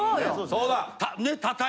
・そうだ！